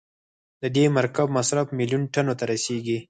د دې مرکب مصرف میلیون ټنو ته رسیږي.